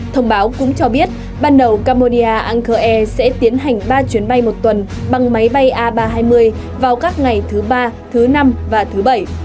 thông báo cũng cho biết ban đầu cambia anger air sẽ tiến hành ba chuyến bay một tuần bằng máy bay a ba trăm hai mươi vào các ngày thứ ba thứ năm và thứ bảy